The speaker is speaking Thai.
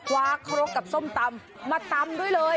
ครกกับส้มตำมาตำด้วยเลย